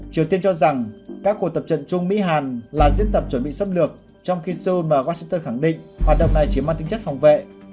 triều tiên cho rằng các cuộc tập trận chung mỹ hàn là diễn tập chuẩn bị xâm lược trong khi seoul và washington khẳng định hoạt động này chiếm mặt tính chất phòng vệ